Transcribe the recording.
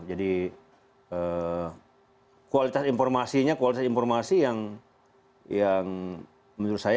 jadi kualitas informasinya kualitas informasi yang menurut saya